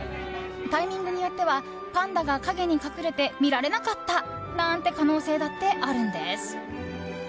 タイミングによってはパンダが陰に隠れて見られなかったなんて可能性だってあるんです。